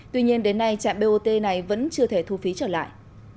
tuy nhiên đến nay trạm bot này vẫn chưa thể thu phí trở lại